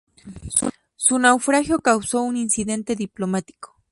Su naufragio causó un incidente diplomático.